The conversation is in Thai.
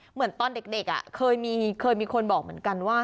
เหมือนตอนเด็กเคยมีคนบอกเหมือนกันว่า